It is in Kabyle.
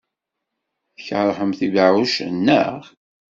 Tkeṛhemt ibeɛɛucen, naɣ?